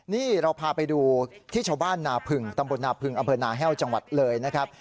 นี่เราพาไปดูที่ชาวบ้านนาผึงตำบลนาพึงอำเภอนาแห้วจังหวัดเลยนะครับ